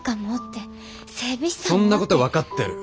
そんなことは分かってる。